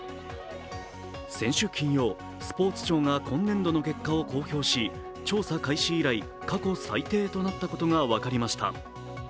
先週金曜、スポーツ庁が今年度の結果を公表し、調査開始以来過去最低となったことが分かりました。